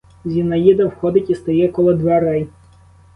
Зінаїда входить і стає коло дверей.